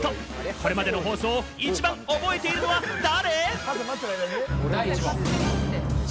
これまでの放送を一番覚えているのは、誰？